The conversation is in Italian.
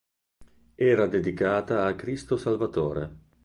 Era dedicata a Cristo Salvatore.